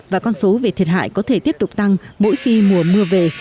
và con số về thiệt hại có thể tiếp tục tăng mỗi khi mùa mưa về